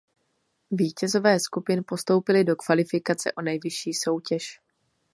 Vítězové skupin postoupili do kvalifikace o nejvyšší soutěž.